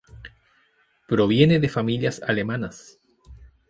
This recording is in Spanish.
Proviene de familias alemanas.